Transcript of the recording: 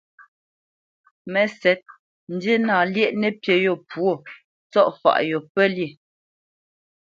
Mə́sɛ̌t, ndína lyéʼ nəpí yô pwô, ntsɔ̂faʼ yô pə́lyê.